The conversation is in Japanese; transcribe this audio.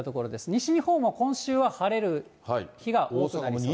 西日本は今週は晴れる日が多そうです。